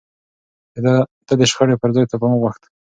ده د شخړې پر ځای تفاهم غوښت.